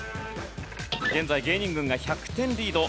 現在芸人軍が１００点リード。